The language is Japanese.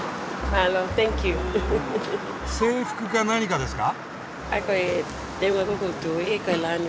制服か何かですか？